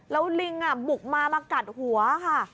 แล้วลิงบุกมามากัดหัวค่ะ